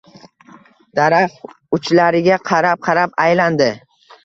Daraxt uchlariga qarab-qarab aylandi.